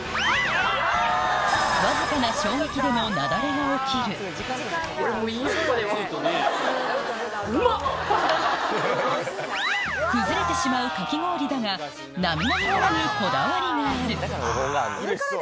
わずかな衝撃でも雪崩が起きる崩れてしまうかき氷だが並々ならぬこだわりがあるあぁ。